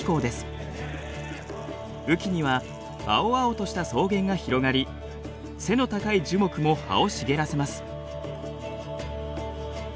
雨季には青々とした草原が広がり背の高い樹木も葉を茂らせます。